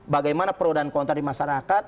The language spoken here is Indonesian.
bagaimana pro dan kontra di masyarakat